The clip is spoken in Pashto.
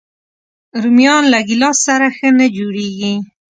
رومیان له ګیلاس سره ښه نه جوړيږي